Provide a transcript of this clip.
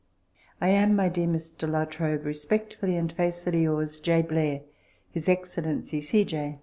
I am, my dear Mr. La Trobe, Respectfully and faithfully yours, J. BLAIR. His Excellency C. J.